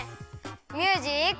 ミュージック。